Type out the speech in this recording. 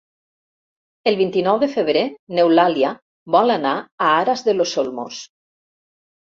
El vint-i-nou de febrer n'Eulàlia vol anar a Aras de los Olmos.